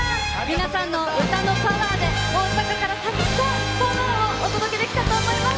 皆さんの歌のパワーで大阪からたくさんパワーをお届けできたと思います。